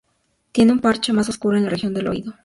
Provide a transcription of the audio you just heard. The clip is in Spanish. Tiene un parche más oscuro en la región del oído.